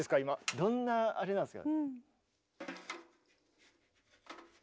どんなあれなんですか？